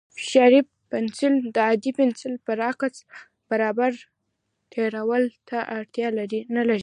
فشاري پنسل د عادي پنسل برعکس، بار بار تېرولو ته اړتیا نه لري.